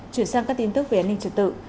chuyển sang các tin tức về an ninh trật tự